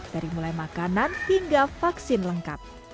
dari mulai makanan hingga vaksin lengkap